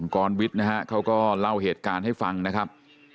กรวิทย์นะฮะเขาก็เล่าเหตุการณ์ให้ฟังนะครับ